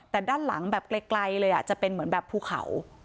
แต่ด้านหลังแบบไกลเลยจะเป็นเหมือนแบบภูเขา